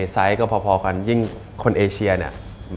ไซส์ก็พอกันยิ่งคนเอเชียเนี่ย